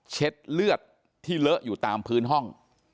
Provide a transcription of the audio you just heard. เช็ดเลือดที่เลอะอยู่ตามพื้นห้อง